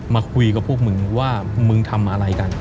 มาคุยกับพวกมึงว่ามึงทำอะไรกัน